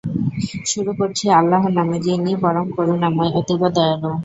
শুরু করছি আল্লাহর নামে যিনি পরম করুণাময়, অতীব দয়ালু।